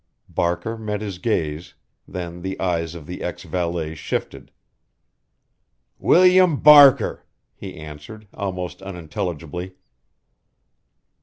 Barker met his gaze; then the eyes of the ex valet shifted. "William Barker," he answered almost unintelligibly.